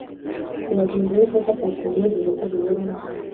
Byagenze bite ko atatumenyesheje ko bibera hano?